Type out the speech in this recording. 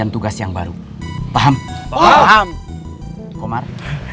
apa ini harus kukimpar